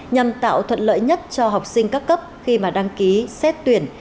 nhằm tạo thuận lợi nhất cho học sinh các cấp khi mà đăng ký xét tuyển